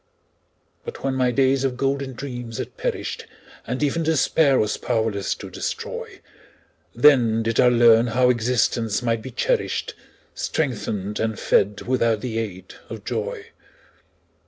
But when my days of golden dreams had perished, And even Despair was powerless to destroy, Then did I learn how existence might be cherished, Strengthened and fed without the aid of joy.